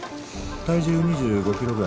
体重２５ｋｇぐらい？